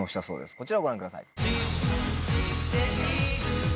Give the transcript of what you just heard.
こちらをご覧ください。